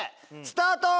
スタート！